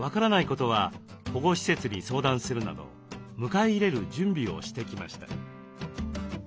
ことは保護施設に相談するなど迎え入れる準備をしてきました。